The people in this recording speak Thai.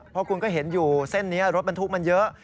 เพราะคุณก็เห็นอยู่เส้นนี้รถบรรทุกมันเยอะ